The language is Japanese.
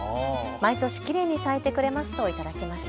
毎年きれいに咲いてくれますと頂きました。